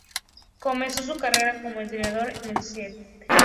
Comenzó su carrera como entrenador en el St.